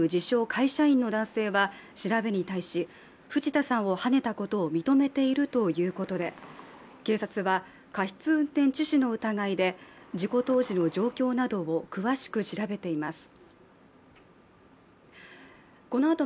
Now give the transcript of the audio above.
会社員の男性は、調べに対し、藤田さんをはねたことを認めているということで警察は過失運転致死の疑いで事故当時の状況などを詳しく調べています。